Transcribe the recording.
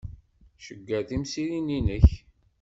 Cegger timsirin-nnek.